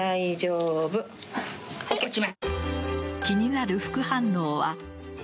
気になる副反応は。